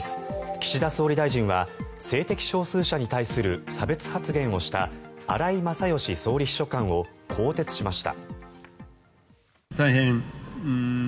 岸田総理大臣は性的少数者に対する差別発言をした荒井勝喜総理秘書官を更迭しました。